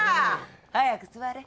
早く座れ。